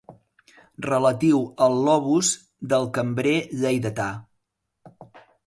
Relatiu al lobus del cambrer lleidatà.